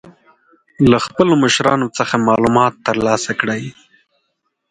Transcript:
له خپلو مشرانو څخه معلومات تر لاسه کړئ.